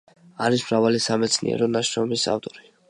არის მრავალი სამეცნიერო ნაშრომის ავტორი.